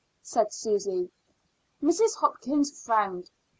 said Susy. Mrs. Hopkins frowned.